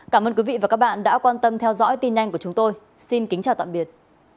cảm ơn quý vị và các bạn đã quan tâm theo dõi tin nhanh của chúng tôi xin kính chào tạm biệt